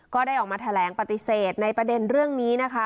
ก็ได้ออกมาแถลงปฏิเสธในประเด็นเรื่องนี้นะคะ